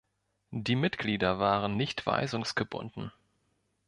Die Mitglieder waren nicht weisungsgebunden.